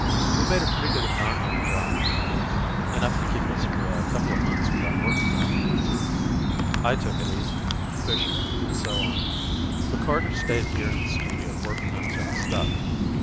We made a pretty good amount on the job, enough to keep us for a coupla months without working afterwards. I took it easy, fishing and so on, but Carter stayed here in the studio working on his own stuff.